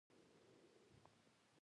کیمرون ګرین یو ځوان استعداد لري.